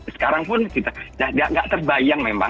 sekarang pun nggak terbayang memang